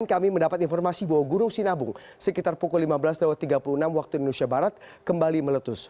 kami mendapat informasi bahwa gunung sinabung sekitar pukul lima belas tiga puluh enam waktu indonesia barat kembali meletus